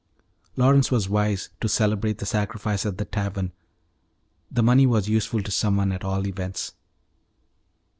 Lawrence was wise to celebrate the sacrifice at the tavern; the money was useful to someone at all events.